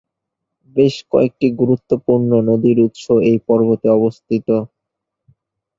বেশ কয়েকটি গুরুত্বপূর্ণ নদীর উৎস এই পর্বতে অবস্থিত।